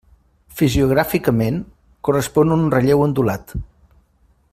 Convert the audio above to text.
Fisiogràficament, correspon a un relleu ondulat.